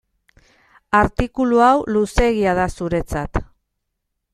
Artikulu hau luzeegia da zuretzat.